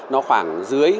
nó khoảng dưới